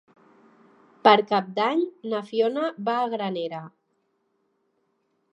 Per Cap d'Any na Fiona va a Granera.